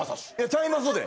ちゃいますて。